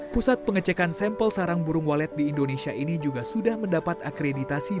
pusat pengecekan sampel sarang burung walet di indonesia ini juga sudah mendapat akreditasi